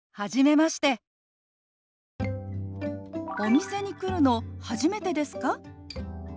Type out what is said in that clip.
「お店に来るの初めてですか？」。